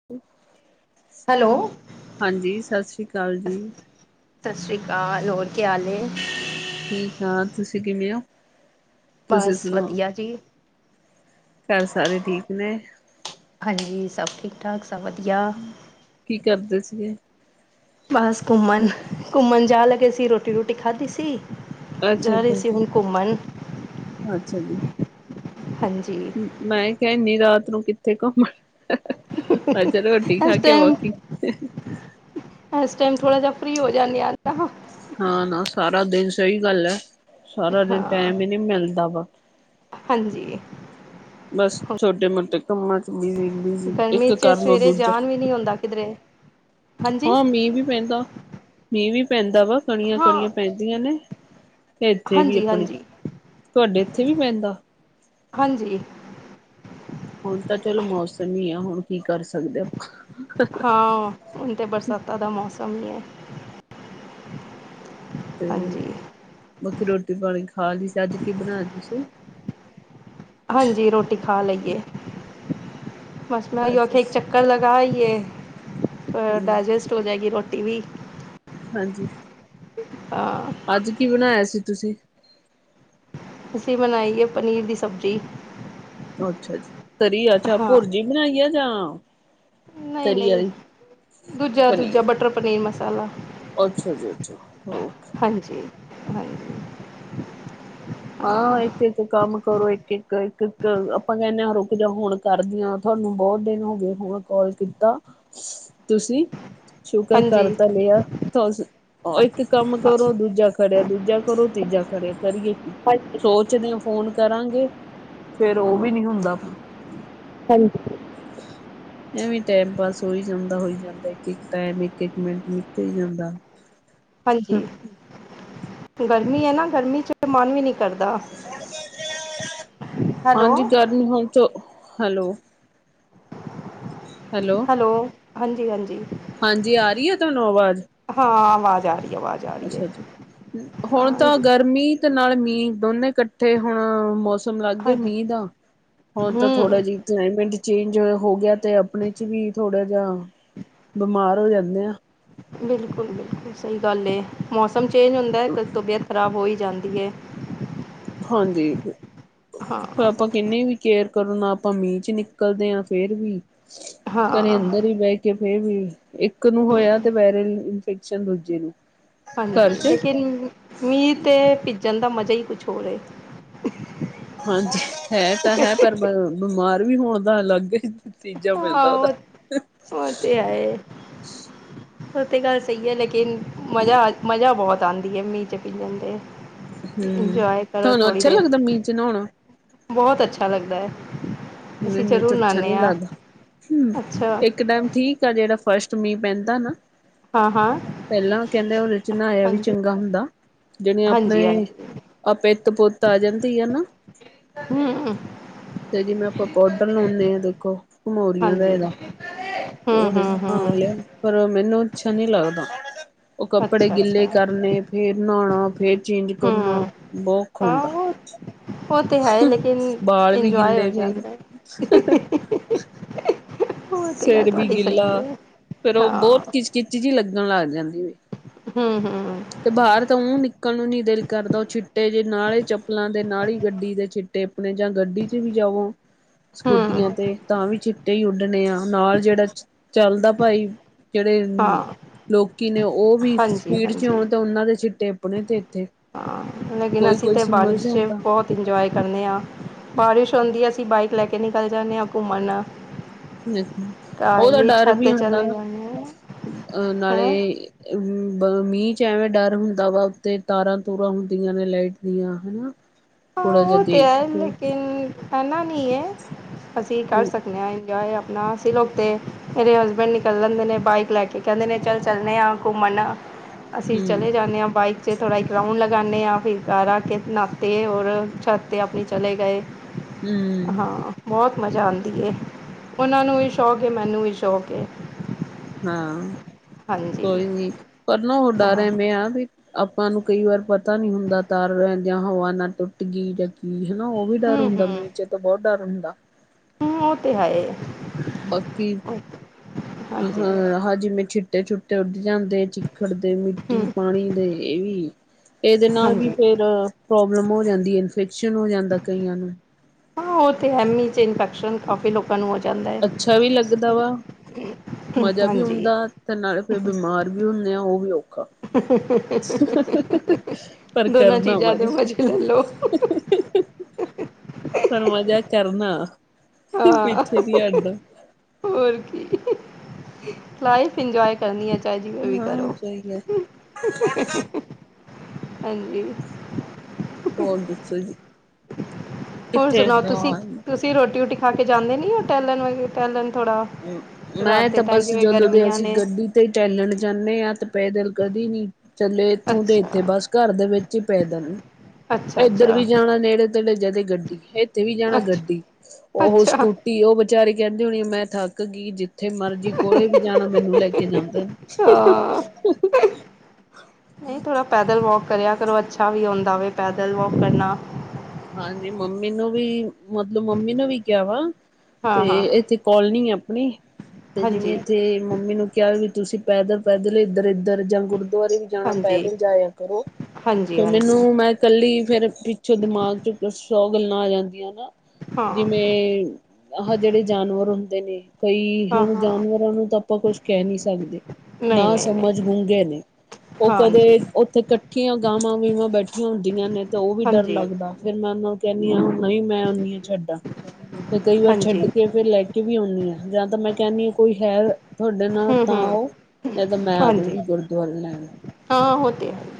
[unintelligible] Hello ਹਾਂਜੀ ਸਤਿ ਸ੍ਰੀ ਅਕਾਲ ਜੀ ਸਤਿ ਸ਼੍ਰੀ ਅਕਾਲ ਹੋਰ ਕੀ ਹਾਲ ਹੈ। ਠੀਕ- ਠਾਕ ਤੁਸੀਂ ਕਿਵੇਂ ਹੋ ਤੁਸੀਂ ਬਸ ਸੁਣਾਓ। ਵਧੀਆ ਜੀ ਘਰ ਸਾਰੇ ਠੀਕ ਨੇ ਹਾਂਜੀ, ਸਭ ਠੀਕ- ਠਾਕ ਸਭ ਵਧੀਆ ਕੀ ਕਰਦੇ ਸੀ? ਬਸ ਘੁੰਮਣ-ਘੁੰਮਣ ਜਾਣ ਲੱਗੇ ਸੀ ਰੋਟੀ- ਰੋਟੀ ਖਾਧੀ ਸੀ। ਅੱਛਾ- ਜਾ ਰਹੇ ਅੱਛਾ, ਸੀ ਹੁਣ ਘੁੰਮਣ ਅੱਛਾ, ਅੱਛਾ ਜੀ। ਹਾਂਜੀ। ਮੈਂ ਕਹਿਦੀ ਏਨੀ ਰਾਤ ਨੂੰ ਕਿੱਥੇ ਘੁੰਮਣ? ਅ ਚਲੋ ਰੋਟੀ ਖਾ ਇਸ ਕੇ ਹੋਰ ਟਾਈਮ ਕੀ ਇਸ ਟੈਮ ਥੋੜਾ ਜਿਹਾ ਫਰੀ ਹੋ ਜਾਂਦੇ ਆ ਨਾ। ਹਾਂ ਨਾ ਸਾਰਾ ਦਿਨ ਸਹੀ ਗੱਲ ਹੈ ਸਾਰਾ ਦਿਨ ਹਾਂ ਟੈਮ ਹੀ ਨਹੀਂ ਮਿਲਦਾ ਵਾ ਹਾਂਜੀ ਬਸ ਛੋਟੇ ਮੋਟੇ ਕੰਮਾਂ ਚ ਬਿਜੀ -ਬਿਜੀ ਗਰਮੀ ਇੱਕ 'ਚ ਕਰਲੋ ਸਵੇਰੇ ਦੂਜਾ ਜਾਣ ਵੀ ਨਹੀਂ ਹੁੰਦਾ ਕਿਧਰੇ ਹਾਂਜੀ ਹਾਂ, ਮੀਂਹ ਵੀ ਪੈਂਦਾ ਮੀਂਹ ਵੀ ਪੈਂਦਾ ਵਾ ਕਣੀਆਂ- ਹਾਂ ਕਣੀਆਂ ਪੈਂਦੀਆਂ ਨੇ, ਤੇ ਇੱਥੇ ਵੀ ਹਾਂਜੀ ਅਪਣੇ ਹਾਂਜੀ ਤੁਹਾਡੇ ਇੱਥੇ ਵੀ ਪੈਂਦਾ? ਹਾਂਜੀ। ਹੁਣ ਤਾਂ, ਚਲੋ ਮੌਸਮ ਹੀ ਆ ਹੁਣ ਕੀ ਕਰ ਸਕਦੇ ਆਪਾਂ। ਹਾਂ, ਹੁਣ ਤੇ ਬਰਸਾਤਾਂ ਦਾ ਮੌਸਮ ਹੀ ਹੈ। ਤੇ ਹਾਂਜੀ ਬਾਕੀ ਰੋਟੀ ਪਾਣੀ ਖਾ ਲਈ ਸੀ ਅੱਜ ਕੀ ਬਣਾਇਆ ਤੁਸੀਂ ਹਾਂਜੀ ਰੋਟੀ ਖਾ ਲਈਏ। ਬਸ ਮੈਂ ਆਖਿਆ ਚ ਮੈਂ ਕਾ ਲਗਾ ਇਏ, ਹਮ ਡਾਇਜੈਸਟ ਹੋ ਜਾਏਗੀ ਰੋਟੀ ਵੀ। ਹਾਂਜੀ। ਹਾਂ ਅੱਜ ਕੀ ਬਣਾਇਆ ਸੀ ਤੁਸੀਂ? ਅਸੀਂ ਬਣਾਈਏ ਪਨੀਰ ਦੀ ਸਬਜ਼ੀ। ਅੱਛਾ ਤਰੀ ਚਾਹ ਹਾਂ ਭੁਰਜੀ ਬਣਾਈ ਆ ਜਾਂ? ਨਹੀਂ- ਤਰੀ ਨਹੀਂ, ਵਾਲੀ ਦੂਜਾ- ਦੂਜਾ ਪਨੀਰ ਬਟਰ ਪਨੀਰ ਮਸਾਲਾ। ਅੱਛਾ, ਜੀ ਅੱਛਾ ਓਕੇ। ਹਾਂਜੀ- ਹਾਂਜੀ, ਹਾਂ ਇੱਕ ਕੰਮ ਕਰੋ, ਇੱਕ- ਇੱਕ, ਇੱਕ- ਇੱਕ ਆਪਾਂ ਕਹਿੰਦੇ ਹਾਂ ਰੁਕ ਜਾ ਹੁਣ ਕਾਰਦੀ ਹਾਂ ਤੁਹਾਨੂੰ ਬਹੁਤ ਦਿਨ ਹੋ ਗਏ ਬੋਲ- ਕੋੱਲ ਕੀਤਾ ਤੁਸੀਂ ਸ਼ੁਕਰ ਹਾਂਜੀ ਕਰ ਤਾ ਲਿਆ ਉਹ ਹਾਂ ਇੱਕ ਕੰਮ ਕਰੋ ਦੂਜਾ ਖੜਿਆ ਦੂਜਾ ਕਰੋ ਤੀਜਾ ਖੜਿਆ ਕਰੀਏ, ਹਾਂਜੀ ਸੋਚਦੇ ਆ ਫੋਨ ਕਰਾਂਗੇ ਫੇਰ ਉਹ ਵੀ ਨੀ ਹੁੰਦਾ ਹਾਂਜੀ। [unintelligible] ਐਵੇਂ ਟੈਮ ਪਾਸ ਹੋਈ ਜਾਂਦਾ ਹੋਈ ਜਾਂਦਾ ਇੱਕ ਇੱਕ ਟਾਈਮ ਇੱਕ ਇੱਕ ਮਿੰਟ ਨਿਕਲੀ ਜਾਂਦਾ ਹਾਂਜੀ, ਗਰਮੀ ਹੈ ਨਾ ਗਰਮੀ ਚ ਮਨ ਵੀ ਨੀ ਕਰਦਾ, ਹੈਲੋ। ਹੋ, ਚ ਹੈਲੋ। ਹੈਲੋ। ਹੈਲੋ ਹਾਂਜੀ- ਹਾਂਜੀ। ਹਾਂਜੀ। ਆ ਰਹੀ ਹੈ ਤੁਹਾਨੂੰ ਆਵਾਜ਼। ਹਾਂ, ਆਵਾਜ਼ ਆ ਰਹੀ ਹੈ ਆਵਾਜ਼। ਆ ਰਹੀ ਹੈ ਅੱਛਾ ਜੀ, ਹੁਣ ਹਾਂ ਤਾਂ ਗਰਮੀ ਤੇ ਨਾਲ ਮੀਂਹ ਦੋਨੇ ਇਕੱਠੇ ਹੁਣ ਮੌਸਮ ਮੌਸਮ ਲੱਗ ਗਿਆ ਹਾਂਜੀ ਮੀਂਹ ਦਾ ਹੁਣ ਤਾਂ ਥੋੜਾ ਹਮ ਜਿ ਕਲਾਈਮੇਟ ਚੇਂਜ ਹੋ ਗਿਆ ਤੇ ਆਪਣੇ ਚ ਵੀ ਥੋੜਾ ਜਿਹਾ ਬਿਮਾਰ ਹੋ ਜਾਂਦੇ ਆ। ਬਿਲਕੁਲ- ਬਿਲਕੁਲ ਸਹੀ ਗੱਲ ਹੈ। ਮੌਸਮ ਚੇਂਜ ਹੁੰਦਾ ਤਬੀਅਤ ਖ਼ਰਾਬ ਹੋ ਹੀ ਜਾਂਦੀ ਏ। ਹਾਂਜੀ ਹਾਂ ਫਿਰ ਆਪਾਂ ਕਿੰਨੀ ਵੀ ਕੇਅਰ ਕਰੋ ਨਾ ਆਪਾਂ ਮੀਂਹ ਚ ਨਿਕਲਦੇ ਹਾਂ ਫੇਰ ਵੀ ਹਾਂ ਘਰੇ ਅੰਦਰ ਈ ਬੈ ਫਿਰ ਵੀ ਇੱਕ ਨੂੰ ਹੋਇਆ ਤੇ ਵਾਇਰਲ ਇਨਫੈਕਸ਼ਨ ਦੂਜੇ ਨੂੰ ਹਾਂਜੀ, ਘਰ ਚ ਲੇਕਿਨ ਮੀਂਹ ਤੇ ਭਿੱਜਣ ਦਾ ਮਜ਼ਾ ਹੀ ਕੁੱਛ ਹੋਰ ਏ। ਹਾਂਜੀ ਹੈ ਤਾਂ ਹੈ ਪਰ ਬ ਬਮਾਰ ਵੀ ਹੋਣ ਦਾ ਅਲੱਗ ਨਤੀਜਾ ਹਾਂ ਮਿਲਦਾ ਉਹਦਾ ਉਹ ਤ ਉਹ ਤੇ ਹੈ ਏ। ਉਹ ਤੇ ਗੱਲ ਸਹੀ ਹੈ ਲੇਕਿਨ ਮਜ਼ਾ ਮਜ਼ਾ ਬਹੁਤ। [unintelligible] ਹਮ, ਇੰਜੋਏ ਕਰੋ ਤੁਹਾਨੂੰ ਥੋੜ੍ਹੀ ਅੱਛਾ ਦੇਰ ਲੱਗਦਾ ਮੀਂਹ ਚ ਨਹਾਉਣਾ। ਬਹੁਤ ਅੱਛਾ ਲੱਗਦਾ ਹੈ, ਅਸੀਂ ਜ਼ਰੂਰ ਨਾਨੇ ਹਾਂ। ਹੂੰ ਅੱਛਾ ਇੱਕ ਟੈਮ ਠੀਕ ਆ ਜਿਹੜਾ ਫਸਟ ਮੀ ਪੈਂਦਾ ਨਾ ਹਾਂ ਹਾਂ ਪਹਿਲਾਂ ਕਹਿੰਦੇ ਹੁਦੇਂ [unintelligible] ਵੀ ਹਾਂਜੀ ਚੰਗਾ ਹੁੰਦਾ ਜਿਹਣੇ ਹਾਂਜੀ ਆਪਣੇ। ਹਾਂਜੀ ਅ ਪਿੱਤ ਪੁੱਤ ਆ ਜਾਂਦੀ ਹੈ ਨਾ। ਹਮ। ਪੋਡਰ ਲਾਉਂਣੇ ਆਂ ਦੇਖੋ, ਕਮੋਰੀਆਂ ਏ ਦਾ ਹਾਂਜੀ ਇਹਦਾ ਹਮ ਉਹਦੇ ਹਮ ਹਮ [unintelligible] ਪਰ ਮੈਨੂੰ ਅੱਛਾ ਨੀ ਲੱਗਦਾ ਉਹ ਕੱਪੜੇ ਅੱਛਾ ਅੱਛਾ ਗਿੱਲੇ ਕਰਨੇ ਫੇਰ ਨਹਾਉਣਾ ਫੇਰ ਚੇਂਜ ਕਰਨਾ ਹਮ ਬੋ ਔਖਾ ਹਾਂ ਹੁੰਦਾ। ਉਹ ਉਹ ਤੇ ਹੈ ਲੇਕਿਨ ਬਾਲ ਵੀ ਇੰਜੋਏ ਹੋ ਗਿੱਲੇ ਫੇਰ ਜਾਂਦਾ। [inaudible] ਉਹ ਤੇ ਗੱਲ ਸਿਰ ਵੀ ਤੁਹਾਡੀ ਗਿੱਲਾ ਸਹੀ ਹੈ ਫਿਰ ਉਹ ਬਹੁਤ ਹਾਂ ਖਿਚਕਿਚ ਜਿ ਲੱਗਣ ਲੱਗ ਜਾਂਦੀ ਵ ਹਮ- ਹਮ। ਤੇ ਬਾਹਰ ਤਾਂ ਊਹ ਨਿਕਲ ਨੂੰ ਨੀ ਦਿਲ ਕਰਦਾ ਉਹ ਛਿੱਟੇ ਜੇ ਨਾਲੇ ਚੱਪਲਾਂ ਦੇ ਨਾਲ ਹੀ ਗੱਡੀ ਦੇ ਛਿੱਟੇ ਤੇ ਅਪਣੇ ਜਾਂ ਗੱਡੀ ਚ ਵੀ ਜਾਵੋ ਹਮ ਸਕੂਟੀਆਂ ਤੇ ਤਾਂ ਵੀ ਚਿੱਟੇ ਹੀ ਉੱਡਣੇ ਆ ਨਾਲ ਜਿਹੜਾ ਚੱਲਦਾ ਭਾਈ ਜਿਹੜੇ ਹਾਂ ਲੋਕੀ ਨੇ ਉਹ ਵੀ ਹਾਂਜੀ ਸਪੀਡ ਚ ਹਾਂਜੀ ਆਉਣ ਤੇ ਉਹਨਾਂ ਦੇ ਛਿਟੇ ਆਪਣੇ ਤੇ। ਇੱਥੇ ਹਾਂ, ਲੇਕਿਨ ਕੋਈ ਅਸੀਂ ਕੋਈ ਤਾਂ ਸਮਝ ਬਾਰਿਸ਼ ਚ ਜਾਂਦਾ ਬਹੁਤ ਇੰਜੋਏ ਕਰਦੇ ਹਾਂ ਬਾਰਿਸ਼ ਹੁੰਦੀ ਹੈ ਅਸੀਂ ਬਾਈਕ ਲੈ ਕੇ ਨਿਕਲ ਜਾਂਦੇ ਹਾਂ ਘੁੰਮਣ [unintelligible] ਘਰ ਉਦਾ ਡਰ ਛੱਤ ਵੀ 'ਤੇ ਹੁੰਦਾ ਚਲੇ ਨਾ ਜਾਂਦੇ ਹਾਂ ਅਹ ਹੈਂ ਨਾਲੇ [unintelligible] ਬ ਮੀਂਹ ਚ ਐਵੇਂ ਡਰ ਹੁੰਦਾ ਵਾ ਉੱਤੇ ਤਾਰਾਂ ਤੂਰਾਂ ਹੁੰਦੀਆਂ ਨੇ ਲਾਈਟ ਦੀਆਂ ਹਨਾ ਹਾਂ, ਥੋੜਾ ਜਿਹਾ ਉਹ ਤੇ ਦੇਖ ਹੈ ਕੇ ਲੇਕਿਨ ਐਨਾ ਨਹੀਂ ਹੈ ਅਸੀਂ ਕਰ ਸਕਦੇ। ਇੰਏ ਆਪਣਾ ਅਸੀ ਲੋਕ ਮੇਰੇ ਹਸਬੈਂਡ ਨਿਕਲ ਲੈਂਦੇ ਨੇ ਬਾਈਕ ਲੈ ਕੇ। ਕਹਿੰਦੇ ਨੇ ਚੱਲ ਚੱਲਣੇ ਹਾਂ ਘੁੰਮਣ। [inaudible] ਅਸੀਂ ਚਲੇ ਜਾਂਦੇ ਹਾਂ ਬਾਈਕ ਚ ਥੋੜ੍ਹਾ ਇੱਕ ਰਾਊਂਡ ਲਗਾਉਂਦੇ ਹਾਂ। ਫਿਰ ਘਰ ਆ ਕੇ ਨਹਾਤੇ ਔਰ ਛੱਤ ਤੇ ਆਪਣੀ ਚਲੇ ਗਏ ਹੂੰ, ਹਾਂ। ਬਹੁਤ ਮਜ਼ਾ ਆਉਂਦੀ ਹੈ, ਉਹਨਾਂ ਨੂੰ ਵੀ ਸ਼ੌਕ ਏ ਮੈਨੂੰ ਵੀ ਸ਼ੌਕ ਏ। ਹਾਂ। ਹਾਂਜੀ ਕੋਈ ਨੀ ਪਰ ਨਾ ਹੋ ਡਰ ਹਾਂ ਐਵੇਂ ਆ ਵੀ ਆਪਾਂ ਨੂੰ ਕਈ ਵਾਰ ਪਤਾ ਨਹੀ ਹੁੰਦਾ ਤਾਰ ਰਹਦਿਆਂ ਹਵਾ ਨਾ ਟੁੱਟ ਗਈ। ਹਨਾ [unintelligible] ਉਹ ਵੀ ਡਰ ਹੂੰ ਹੁੰਦਾ, ਮੀਰ ਚੇ ਤੇ ਬਹੁਤ ਡਰ ਹੁੰਦਾ। ਹਮ ਉਹ ਤੇ ਹੈ ਆ ਬਾਕੀ, ਅਹ ਹਾਂਜੀ ਹਾਂ ਜਿਵੇਂ ਛਿੱਟੇ ਛੁਟੇ ਉੱਡ ਜਾਂਦੇ ਹਾਂ ਖੜਦੇ ਹੂੰ ਮਿੱਟੀ ਪਾਣੀ ਦੇ ਇਹ ਵੀ ਇਹਦੇ ਨਾਲ ਵੀ ਹਾਂਜੀ ਫੇਰ ਪ੍ਰੋਬਲਮ ਹੋ ਜਾਂਦੀ ਹੈ ਇਨਫੈਕਸ਼ਨ ਹੋ ਜਾਂਦਾ ਕਈਆਂ ਨੂੰ। ਹਾਂ, ਉਹ ਤੇ ਹੈ ਮੀਂਹ ਚ ਇਨਫੈਕਸ਼ਨ ਕਾਫੀ ਲੋਕਾਂ ਨੂੰ ਹੋ ਜਾਂਦਾ ਐ ਅੱਛਾ ਵੀ ਲੱਗਦਾ ਵਾ ਮਜ਼ਾ ਵੀ ਆਉਂਦਾ ਤੇ ਨਾਲੇ ਫਿਰ ਬਿਮਾਰ ਵੀ ਹੁੰਦੇ ਆ ਉਹ ਵੀ ਔਖਾ। [unintelligible] ਪਰ ਦੋਨਾਂ ਕਰਨਾ ਚੀਜ਼ਾਂ ਵਧ ਦੇ ਮਜ਼ੇ ਲੈ ਲੋ ਪਰ ਮਜ਼ਾ ਚਰਨਾ ਹਾਂ ਹੋਰ ਕੀ ਲਾਈਫ ਇੰਜੋਏ ਕਰਨੀ ਆ ਚਾਹੇ ਜਿਵੇਂ ਵੀ ਹਾਂ ਕਰੋ ਸਹੀ ਹੈ ਹਾਂਜੀ ਹੋਰ ਦੱਸੋ ਜੀ। ਹੋਰ ਕਿੱਥੇ ਸੁਣਾਓ ਤੁਸੀਂ- ਤੁਸੀਂ ਰੋਟੀ- ਰੋਟੀ ਖਾ ਕੇ ਜਾਂਦੇ ਨੀ ਆ ਟਹਿਲ ਵ ਟੈਲਣ ਥੋੜ੍ਹਾ ਮੈਂ ਤਾਂ ਬਸ ਜਦੋਂ ਦੇ ਅਸੀਂ ਨੇ ਗੱਡੀ ਤੇ ਚੇਲਣ ਜਾਨੇ ਆਂ ਤੇ ਪੈਦਲ ਕਦੇ ਨਹੀਂ ਚੱਲੇ ਇੱਥੋਂ ਤੇ ਇੱਥੇ ਅੱਛਾ। ਬਸ ਘਰ ਦੇ ਵਿੱਚ ਹੀ ਪੈਦਲ ਅੱਛਾ ਇੱਧਰ ਅੱਛਾ ਵੀ ਜਾਣਾ ਨੇੜੇ ਤੇੜੇ ਜਦੇ ਗੱਡੀ, ਇੱਥੇ ਵੀ ਜਾਣਾ ਅੱਛਾ ਗੱਡੀ, ਉਹ ਅੱਛਾ ਸਕੂ ਉਹ ਵਿਚਾਰੀ ਕਹਿੰਦੀਹੋਣੀ ਮੈਂ ਥੱਕ ਗਈ ਜਿੱ ਜਿੱਥੇ ਮਰਜੀ ਕੋਲੇ ਵੀ ਜਾਣਾ ਮੈਨੂੰ ਲੈ ਕੇ ਜਾਂਦਾ ਹਾਂ। ਨਹੀਂ ਥੋੜ੍ਹਾ ਪੈਦਲ ਵੋਕ ਕਰਿਆ ਕਰੋ ਅੱਛਾ ਵੀ ਹੁੰਦਾ ਵੇ ਪੈਦਲ ਵੋਕ ਕਰਨਾ ਹਾਂਜੀ ਮੰਮੀ ਨੂੰ ਵੀ ਮਤਲਬ ਮੰਮੀ ਨੂੰ ਵੀ ਕਿਹਾ ਵਾ ਹਾਂ ਤੇ ਹਾਂ। ਇੱਥੇ ਕੋਲਨੀ ਆਪਣੀ ਤੇ ਜਿਵੇਂ ਹਾਂਜੀ ਇੱਥੇ ਮੰਮੀ ਨੂੰ ਕਿਹਾ ਵੀ ਤੁਸੀਂ ਪੈਦਲ ਪੈਦਲ ਇੱਧਰ ਇੱਧਰ ਜਾਂ ਗੁਰਦੁਆਰੇ ਜਾਣਾ ਹਾਂਜੀ ਪੈਦਲ ਜਾਇਆ ਕਰੋ ਹਾਂਜੀ ਤੇ ਹਾਂਜੀ ਮੈਨੂੰ ਮੈਂ ਕੱਲੀ ਫੇਰ ਪਿੱਛੋਂ ਦਿਮਾਗ ਚੋਂ ਸੌ ਗੱਲਾਂ ਆ ਜਾਂਦੀਆਂ ਨੇ ਹਾਂ ਜਿਵੇਂ ਆਹ ਜਿਹੜੇ ਜਾਨਵਰ ਹੁੰਦੇ ਨੇ ਕਈ ਹਾਂ ਹੁਣ ਹਾਂ ਜਾਨਵਰਾਂ ਨੂੰ ਤਾਂ ਆਪਾਂ ਕੁਛ ਕਹਿ ਨਹੀਂ ਸਕਦੇ ਨਾ ਨਹੀਂ ਨਹੀਂ ਸਮਝ ਨਹੀਂ ਗੂੰਗੇ ਨੇ ਉਹ ਕਦੇ ਹਾਂਜੀ ਉੱਥੇ ਇਕੱਠੀਆਂ ਗਾਵਾਂ ਵੀਵਾਂ ਬੈਠੀਆਂ ਹੁੰਦੀਆਂ ਨੇ ਤਾਂ ਉਹ ਵੀ ਡਰ ਹਾਂਜੀ ਲੱਗਦਾ। ਫੇਰ ਮੈਂ ਉਹਨਾਂ ਨੂੰ ਕਹਿੰਦੀ ਹਾ ਨਹੀਂ ਮੈਂ ਓਨੀ ਹਾਂ ਛੱਡਾਂ ਫਿਰ ਕਈ ਵਾਰ ਹਾਂਜੀ ਛੱਡ ਕੇ ਫਿਰ ਲੈ ਕੇ ਵੀ ਆਉਂਦੀ ਆ ਜਾਂ ਤਾਂ ਮੈਂ ਕਹਿਦੀ ਹਾਂ ਕੋਈ ਹੈ ਤੁਹਾਡੇ ਨਾਲ ਹੂੰ ਤਾਂ ਹੂੰ ਓ, ਨਹੀਂ ਤਾਂ ਮੈਂ ਆ ਹਾਂਜੀ ਜੂਗੀ ਗੁਰਦੁਆਰੇ ਲੈਣ ਹਾਂ, ਹ ਤੇ ਹੈ। [unintelligible]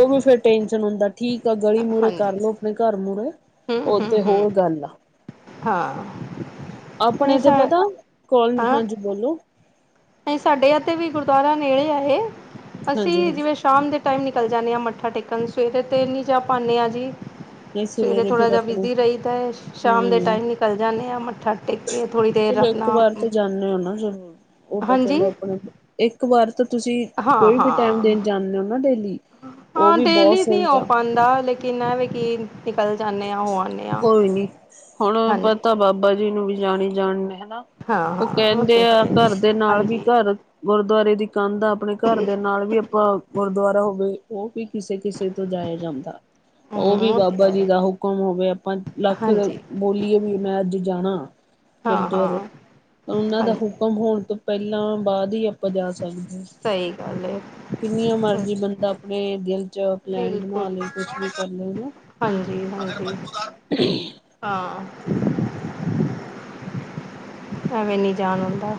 ਉਹ ਵੀ ਫੇਰ ਟੈਨਸ਼ਨ ਹੁੰਦਾ ਠੀਕ ਆ ਗਲੀ ਮੂਹਰੇ ਹਾਂਜੀ ਕਰਲੋ ਆਪਣੇ ਘਰ ਮੂਹਰੇ ਹੂੰ ਉਹ ਹੂੰ ਤੇ ਹੂੰ ਹੋਰ ਗੱਲ ਐ ਹਾਂ ਨਹੀਂ ਆਪਣੇ ਤੇ ਸਰ ਪਤਾ ਕੋਲ ਹਾਂ ਹਾਂਜੀ ਬੋਲੋ ਸਾਡੇ ਇੱਥ ਵੀ ਗੁਰਦੁਆਰਾ ਨੇੜੇ ਹੈ ਹਾਂਜੀ ਅਸੀਂ ਹਾਂਜੀ ਜਿਵੇਂ ਸ਼ਾਮ ਦੇ ਟਾਈਮ ਨਿਕਲ ਜਾਂਦੇ ਹਾਂ ਮੱਥਾ ਟੇਕਣ ਸਵੇਰੇ 'ਤੇ ਨਹੀਂ ਜਾ ਪਾਉਂਦੇ ਹਾਂ ਜੀ ਨਹੀਂ ਸਵੇਰੇ ਥੋੜਾ ਫਿਰ ਜਿਹਾ ਆਪਣੇ ਬਿਜ਼ੀ ਰਹੀ ਦਾ ਐ ਸ਼ਾਮ ਦੇ ਹਮ ਟਾਈਮ ਨਿਕਲ ਜਾਨੇ ਆਂ ਮੱਥਾ ਟੇਕ ਕੇ ਥੋੜ੍ਹੀ ਦੇਰ ਆਪਣਾ ਨਾ ਨਾ ਜ਼ਰੂਰ ਉਹ ਤਾਂ ਹਾਂਜੀ ਚੱਲੋ ਆਪਣੇ ਇੱਕ ਵਾਰ ਤਾਂ ਤੁਸੀਂ ਹਾਂ ਕੋਈ ਵੀ ਟਾਈਮ ਹਾਂ ਦੇਣ ਜਾਂਦੇ ਹੋ ਨਾ ਡੇਲੀ ਉਹ ਵੀ ਬਹੁਤ ਸੋਹੀ ਆ ਦਾ ਲੇਕਿਨ, ਐ ਵੀ ਕੀ ਨਿਕਲ ਜਾਂਦੇ ਹਾਂ ਹੋ ਆਦੇ ਹ ਕੋਈ ਨੀ ਹੁਣ ਹਾਂਜੀ ਪਤਾ ਬਾਬਾ ਜੀ ਨੂੰ ਵੀ ਜਾਣੀ ਜਾਣ ਹਨਾ ਹਾਂ ਹਾਂ ਉਹ ਕਹਿੰਦੇ ਤੇ ਹੈ ਆ ਘਰ ਦੇ ਨਾਲ ਵੀ ਹਾਂਜੀ ਘਰ ਗੁਰਦੁਆਰੇ ਦੀ ਕੰਧ ਆ ਆਪਣੇ ਘਰ ਦੇ ਨਾਲ ਵੀ ਆਪਾਂ ਗੁਰਦੁਆਰਾ ਹੋਵੇ ਉਹ ਵੀ ਕਿਸੇ ਕਿਸੇ ਤੋਂ ਜਾਇਆ ਜਾਂਦਾ ਉਹ ਹਮ ਵੀ ਤੇ ਬਾਬਾ ਜੀ ਹੈ ਦਾ ਹੁਕਮ ਹੋਵੇ ਆਪਾਂ ਲੱਖ ਹਾਂਜੀ ਬੋਲੀਏ ਵੀ ਮੈਂ ਅੱਜ ਜਾਣਾ ਹਾਂ ਹਾਂ ਤਾਂ ਉਹਨਾਂ ਦਾ ਹਾਂਜੀ ਹੁਕਮ ਹੋਣ ਤੋਂ ਪਹਿਲਾਂ ਬਾਅਦ ਹੀ ਆਪਾਂ ਜਾ ਸਕਦੇ ਹਾਂ [unintelligible] ਸਹੀ ਗੱਲ ਕਿੰਨੀਆਂ ਹੈ ਮਰਜੀ ਬੰਦਾ ਆਪਣੇ ਦਿਲ ਚ ਪਲੈਨ ਬਣਾ ਬਿਲਕੁਲ ਲਵੇ ਕੁਛ ਵੀ ਕਰ ਲਓ। ਹਾਂਜੀ ਹਾਂਜੀ ਹਾਂ ਨਹੀਂ ਜਾਣ ਓਂਦਾ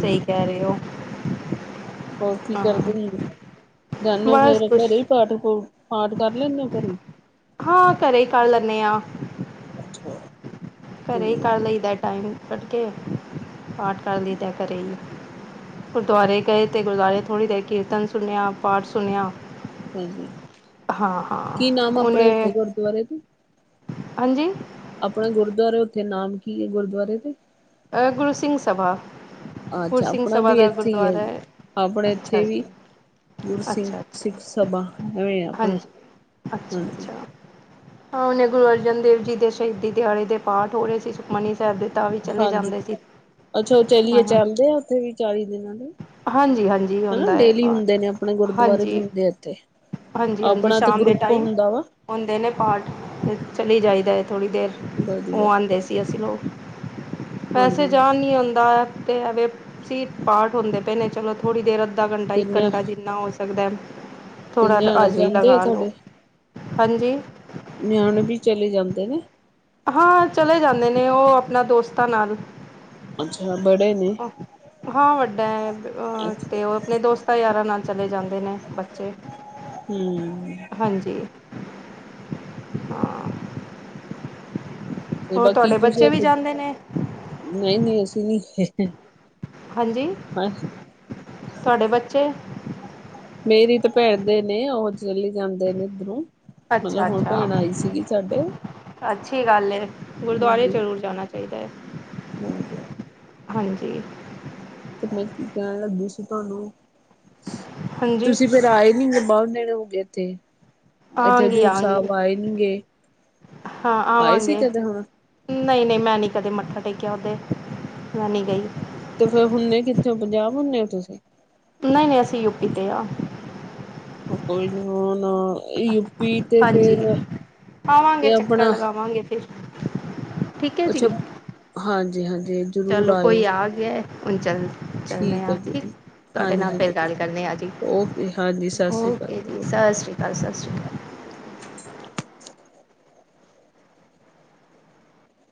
ਸਹੀ ਕਹਿ ਰਹੇ ਓ ਹੋਰ ਕੀ ਕਰਦੇ ਹੁੰਦੇ? ਜਾਨੇ ਓ ਬਸ ਫੇਰ ਕੁਛ ਘਰੇ ਪਾਠ ਪੂਠ ਪਾਠ ਕਰ ਲੈਂਦੇ ਹੋ ਘਰੇ ਹਾਂ, ਘਰੇ ਹੀ ਕਰ ਲੈਂਨੇ ਆਂ ਅੱਛਾ। ਘਰੇ ਹੀ ਤੇ ਕਰ ਲਈਦਾ ਟਾਈਮ ਕੱਢ ਕੇ ਪਾਠ ਕਰ ਲਈੈਂਦਾ ਘਰੇ ਹੀ। ਗੁਰਦੁਆਰੇ ਗਏ ਤੇ ਗੁਰਦੁਆਰੇ ਥੋੜ੍ਹੀ ਦੇਰ ਕੀਰਤਨ ਸੁਣਿਆ ਪਾਠ ਸੁਣਿਆ। ਹਾਂਜੀ ਹਾਂ ਹਾਂ ਕੀ ਨਾਮ ਆਪਣੇ ਉਹਨੇ [unintelligible] ਹਾਂਜੀ। ਆਪਣਾ ਗੁਰਦੁਆਰੇ ਉਥੇ ਨਾਮ ਕੀ ਹੈ ਗੁਰਦੁਆਰੇ ਦੇ? ਅ ਗੁਰੂ ਸਿੰਘ ਸਭਾ ਪੁਰ ਅੱਛਾ ਸਿੰਘ ਆਪਣਾ ਸਭਾ ਵੀ ਦਾ ਇੱਥੇ ਹੀ ਹੈ ਗੁਰਦੁਆਰਾ ਐ ਆਪਣੇ ਅੱਛਾ ਇੱਥੇ ਵੀ ਜੀ ਗੁਰੂ ਸਿੰਘ ਅੱਛਾ ਸਿੱਖ ਅੱਛਾ ਸਭਾ ਐਵੇਂ ਆਪਣਾ ਹਾਂਜੀ ਅੱਛਾ ਹਾਂਜੀ ਅੱਛਾ ਹਾਂ ਉਹਨੇ ਗੁਰੂ ਅਰਜਨ ਦੇਵ ਜੀ ਦੇ ਸ਼ਹੀਦੀ ਦਿਹਾੜੇ ਦੇ ਪਾਠ ਹੋ ਰਹੇ ਸੀ ਸੁਖਮਨੀ ਸਾਹਿਬ ਦੇ ਤਾਵੇ ਹਾਂਜੀ ਅੱਛਾ ਉਹ ਚਲੀਏ ਹਾਂ ਚੱਲਦੇ ਆ ਉੱਥੇ ਵੀ ਚਾਲੀ ਦਿਨਾਂ ਦੇ ਹਾਂਜੀ ਹਾਂਜੀ ਹਨਾ ਹੁੰਦਾ ਹੈ ਡੇਲੀ ਹੁੰਦੇ ਪਾਠ ਨੇ ਆਪਣੇ ਗੁਰਦੁਆਰੇ ਵੀ ਹਾਂਜੀ ਹੁੰਦੇ ਇੱਥੇ ਆਪਣਾ ਤੇ ਗਰੁੱਪ ਹੁੰਦਾ ਵਾ ਹੌਦ ਨੇ ਪਾਠ ਚਲੀ ਜਾਈਦਾ ਹੈ ਥੋੜੀ ਦੇਰ ਉਹ ਵਧੀਆ ਆਂਦੇ ਸ ਅਸੀ ਨਾ ੳ, [unintelligible] ਵੈਸੇ ਹਾਂਜੀ ਜਾਣ ਨੀ ਹੁੰਦਾ, ਤੇਸੀ ਪਾਰਟ ਹੋਂਦੇ ਪਏ ਨੇ ਚਲੋ ਥੋੜ੍ਹੀ ਦੇਰ ਅੱਧਾ ਘੰਟਾ ਤੇ ਇੱਕ ਨਿਆ ਘੰਟਾ ਜਿੰਨਾ ਹੋ ਸਕਦਾ। ਤੇ ਥੋੜਾ ਨਿਆਣੇ ਅਜ ਵੀ ਜਾਂਦੇ ਆ ਲਗਾ ਲ ਤੁਹਾਡੇ ਹਾਂਜੀ ਨਿਆਣੇ ਵੀ ਚਲੇ ਜਾਂਦੇ ਨੇ ਹਾਂ ਚਲੇ ਜਾਂਦੇ ਨੇ ਉਹ ਆਪਣਾ ਦੋਸਤਾਂ ਨਾਲ ਅੱਛਾ ਬੜੇ ਨੇ ਹਾਂ ਵੱਡਾ ਹੈ, ਅਹ ਅੱਛਾ ਤੇ ਉਹ ਆਪਣੇ ਦੋਸ ਤਾਂ ਯਾਰਾਂ ਨਾਲ ਚਲੇ ਜਾਂਦੇ ਨੇ ਬੱਚੇ ਹਮ ਹਾਂਜੀ। ਹਾ ਤੇ ਬਾਕੀ ਤੁਸੀਂ ਓਥੇ, [unintelligible] ਨਹੀਂ ਨਹੀਂ ਅਸੀਂ ਨੀ ਹਾਂਜੀ ਹਾਂ ਤੁਹਾਡੇ ਬੱਚੇ ਮੇਰੀ ਤਾਂ ਭੈਣ ਦੇ ਨੇ ਉਹ ਚਲੀ ਜਾਂਦੇ ਨੇ ਇੱਧਰੋਂ। ਅੱਛਾ ਮਤਲਬ ਹੁਣ ਅੱਛਾ ਭੈਣ ਆਈ ਸੀਗੀ ਸਾਡੇ ਅੱਛੀ ਗੱਲ ਹੈ ਗੁਰਦੁਆਰੇ ਹਾਂਜੀ ਜ਼ਰੂਰ ਜਾਣਾ ਚ ਚਾਹੀਦਾ ਹੈ ਹਾਂਜੀ ਹਾਂਜੀ ਤੇ ਮੈਂ ਕੀ ਕਹਿਣ ਲੱਗੀ ਸੀ ਤੁਹਾਨੂੰ, ਹਾਂਜੀ ਤੁਸੀਂ ਫਿਰ ਭਰਾ ਆਏ ਨੀ ਹੈ ਬਾਹਰ ਨੇੜੇ ਹੋ ਗਏ ਇੱਥੇ। ਇੱਥੇ ਆਵਾਂਗੀ ਹਜ਼ੂਰ ਆਵਾਂਗੀ ਸਾਹਿਬ ਆਏ ਨੀ ਗੇ ਆਏ ਸੀ ਕਿਤੇ [unintelligible] ਹੁਣ? ਨਹੀਂ-ਨਹੀਂ, ਮੈਂ ਨੀ ਕਦੇ ਮੱਥਾ ਟੇਕਿਆ ਓਦੇ ਮੈਂ ਨਹੀਂ ਗਈ ਤੇ ਫੇਰ ਹੁੰਨੇ ਕਿੱਥੇ ਓ ਪੰਜਾਬ ਹੁੰਦੇ ਹੋ ਤੁਸੀਂ? ਨਹੀਂ ਨਹੀਂ ਅਸੀਂ ਯੂਪੀ ਤੇ ਆ। ਕੋਈ ਨੀ ਹੁਣ ਯੂਪੀ ਤੇ ਹਾਂਜੀ ਫੇਰ ਆਵਾਂਗੇ ਇਹ ਚੱਕਰ ਆਪਣਾ [unintelligible] ਅੱਛਾ ਹਾਂਜੀ ਹਾਂਜੀ। ਜ਼ਰੂਰ ਚਲੋ ਆਇਓ ਕੋਈ ਆ ਗਿਆ ਐ ਹੁਣ ਚੱਲ ਚਲਨੇ ਆਂ ਹੈ ਜੀ ਠੀਕ ਤੁਹਾਡੇ ਹਾਂਜੀ ਨਾਲ ਫਿਰ ਹਾਂਜੀ ਠੀਕ ਗੱਲ ਕਰਦੇ ਆ ਜੀ ਓਕੇ ਹਾਂਜੀ ਸਤਿ ਸ਼੍ਰੀ ਅਕਾਲ ਓਕੇ ਜੀ ਸਤਿ ਸ਼੍ਰੀ ਅਕਾਲ ਸਤਿ ਸ਼੍ਰੀ ਅਕਾਲ।